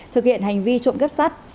thực hiện hành vi trộm cắp sắt